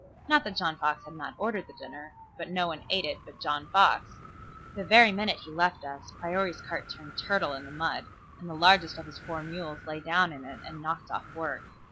Not that John Fox had not ordered the dinner, but no one ate it but John Fox. The very minute he left us Priory's cart turned turtle in the mud, and the largest of his four mules lay down in it and knocked off work.